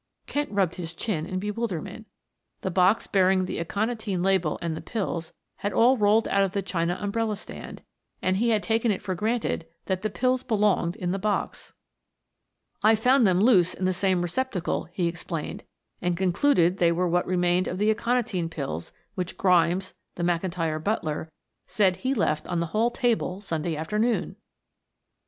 Kent rubbed his chin in bewilderment. The box bearing the aconitine label and the pills had all rolled out of the china umbrella stand, and he had taken it for granted that the pills belonged in the box. "I found them loose in the same receptacle," he explained. "And concluded they were what remained of the aconitine pills which Grimes, the McIntyre butler, said he left on the hall table Sunday afternoon."